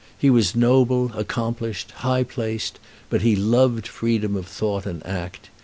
He was noble, accomplished, high placed, but he loved freedom of thought and act.